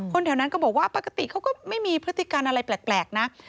แถวนั้นก็บอกว่าปกติเขาก็ไม่มีพฤติการอะไรแปลกนะ